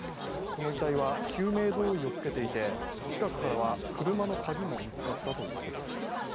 この遺体は救命胴衣を着けていて近くからは車の鍵も見つかったということです。